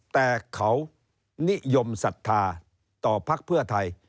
แต่เขานิยมศรรษภาต่อพรรคเผื่อไทย